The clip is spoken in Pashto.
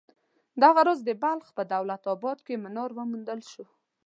دغه راز د بلخ په دولت اباد کې منار وموندل شو.